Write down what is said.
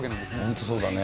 本当、そうだね。